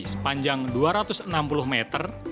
sepanjang dua ratus enam puluh meter